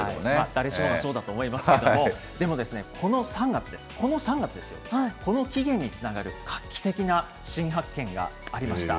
誰しもがそうだと思いますけれども、でもですね、この３月です、この３月ですよ、この起源につながる画期的な新発見がありました。